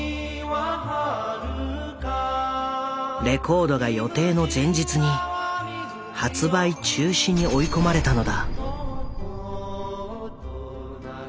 レコードが予定の前日に発売中止に追い込まれたのだ。